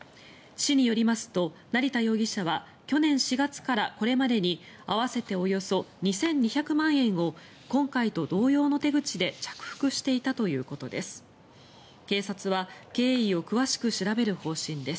市によりますと、成田容疑者は去年４月からこれまでに合わせておよそ２２００万円を今回と同様の手口で着服していたということです。